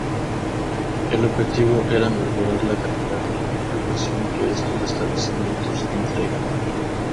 El objetivo era mejorar la calidad de la educación que estos establecimientos entregan.